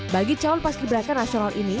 bagi cawan pas kiberakan nasional ini